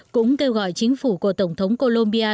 cũng kêu gọi chính phủ của tổng thống colombia